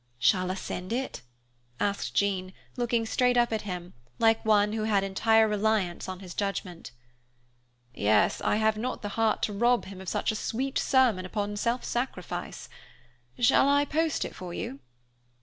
"Shall I send it?" asked Jean, looking straight up at him, like one who had entire reliance on his judgment. "Yes, I have not the heart to rob him of such a sweet sermon upon self sacrifice. Shall I post it for you?"